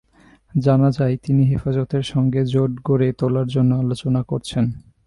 জানা যায়, তিনি হেফাজতের সঙ্গে জোট গড়ে তোলার জন্য আলোচনা করছেন।